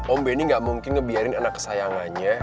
om benny gak mungkin ngebiarin anak kesayangannya